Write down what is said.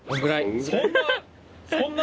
そんな？